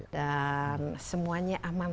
dan semuanya aman